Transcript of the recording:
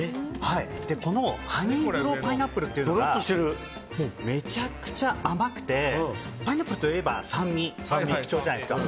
このハニーグローパイナップルっていうのがめちゃくちゃ甘くてパイナップルといえば酸味が特徴じゃないですか。